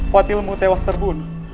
pati lemu tewas terbun